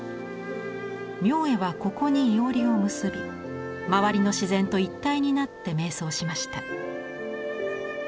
明恵はここに庵を結び周りの自然と一体になってめい想しました。